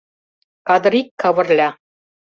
— Кадырик Кавырля!